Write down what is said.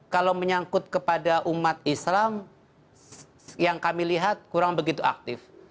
kalau menyangkut kepada umat islam yang kami lihat kurang begitu aktif